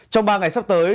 trong ba ngày sắp tới